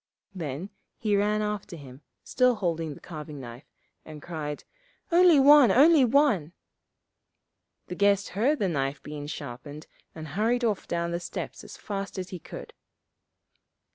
[Illustration: {Then he ran after him, still holding the carving knife, and cried, 'Only one, only one!'}] The guest heard the knife being sharpened, and hurried off down the steps as fast as he could.